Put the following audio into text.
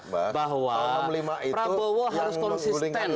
bahwa prabowo harus konsisten